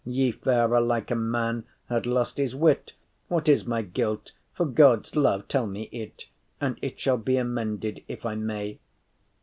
Ye fare like a man had lost his wit. What is my guilt? for God’s love tell me it, And it shall be amended, if I may.